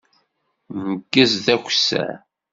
Neggez d akessar.